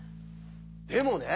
でもね